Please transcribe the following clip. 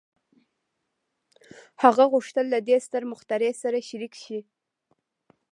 هغه غوښتل له دې ستر مخترع سره شريک شي.